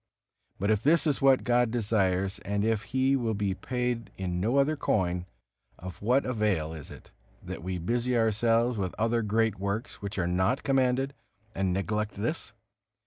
But if this is what God desires, and if He will be paid in no other coin, of what avail is it, that we busy ourselves with other great works which are not commanded, and neglect this?